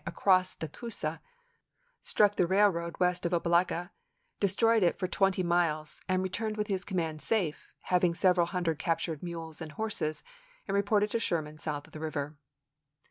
across the Coosa, struck the railroad west of Opelika, destroyed it for twenty miles and re turned with his command safe, having several hundred captured mules and horses, and reported to Sherman south of the river.